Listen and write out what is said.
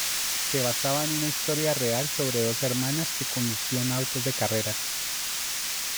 Se basaba en una historia real sobre dos hermanas que conducían autos de carreras.